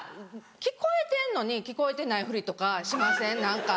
聞こえてんのに聞こえてないふりとかしません？